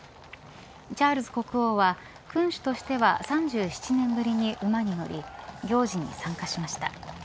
チャールズ国王は君主としては３７年ぶりに馬に乗り行事に参加しました。